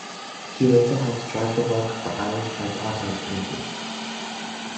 He later helped drive the work of the Irish Tripartite Committee.